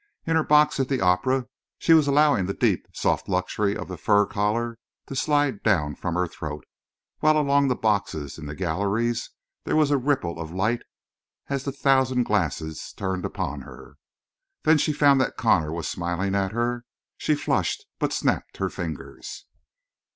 In her box at the opera she was allowing the deep, soft luxury of the fur collar to slide down from her throat, while along the boxes, in the galleries, there was a ripple of light as the thousand glasses turned upon her. Then she found that Connor was smiling at her. She flushed, but snapped her fingers.